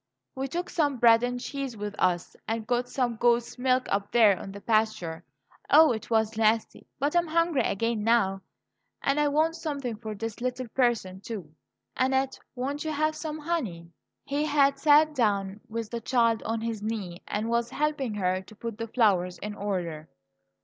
"We took some bread and cheese with us, and got some goat's milk up there on the pasture; oh, it was nasty! But I'm hungry again, now; and I want something for this little person, too. Annette, won't you have some honey?" He had sat down with the child on his knee, and was helping her to put the flowers in order.